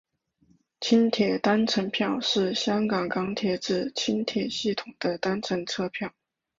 轻铁单程票是香港港铁之轻铁系统的单程车票。